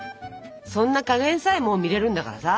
そんな加減さえも見れるんだからさ。